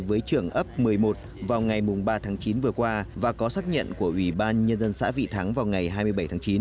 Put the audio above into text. với trưởng ấp một mươi một vào ngày ba tháng chín vừa qua và có xác nhận của ủy ban nhân dân xã vị thắng vào ngày hai mươi bảy tháng chín